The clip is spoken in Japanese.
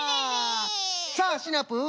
さあシナプー